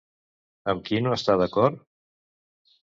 Amb qui no està d'acord?